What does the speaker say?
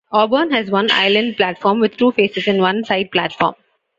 Auburn has one island platform with two faces and one side platform.